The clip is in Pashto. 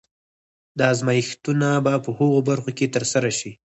دا ازمایښتونه په هغو برخو کې ترسره شي.